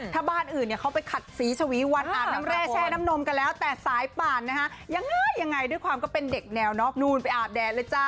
ถ้าบ้านอื่นเนี่ยเขาไปขัดสีชวีวันอาบน้ำแร่แช่น้ำนมกันแล้วแต่สายป่านนะฮะยังไงยังไงด้วยความก็เป็นเด็กแนวนอกนู่นไปอาบแดดเลยจ้า